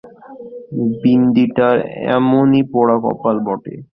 বিন্দিটার এমনি পোড়া কপাল বটে!